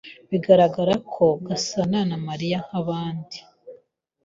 Biragaragara ko Gasanana Mariya nkabandi.